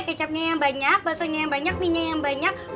kecapnya yang banyak bahasanya yang banyak mienya yang banyak